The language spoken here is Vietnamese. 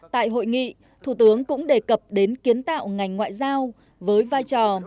tại hội nghị thủ tướng cũng đề cập đến kiến tạo ngành ngoại giao với vai trò